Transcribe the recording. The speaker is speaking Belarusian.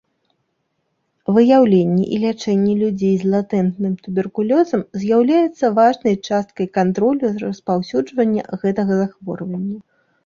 Выяўленне і лячэнне людзей з латэнтным туберкулёзам з'яўляецца важнай часткай кантролю распаўсюджання гэтага захворвання.